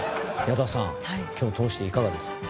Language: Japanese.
矢田さん今日通していかがですか？